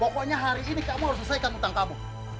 pokoknya hari ini kamu harus selesaikan utang kamu